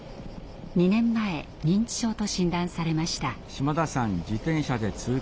２年前認知症と診断されました。